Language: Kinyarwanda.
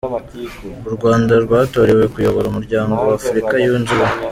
U Rwanda rwatorewe kuyobora Umuryango wa Afurika Yunze Ubumwe.